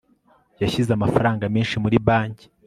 yashyize amafaranga menshi muri banki